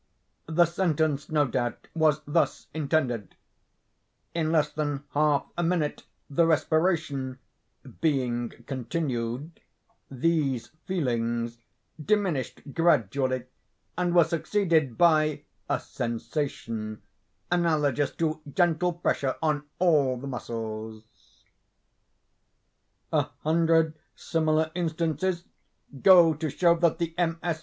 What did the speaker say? The sentence, no doubt, was thus intended: 'In less than half a minute, the respiration [being continued, these feelings] diminished gradually, and were succeeded by [a sensation] analogous to gentle pressure on all the muscles.' A hundred similar instances go to show that the MS.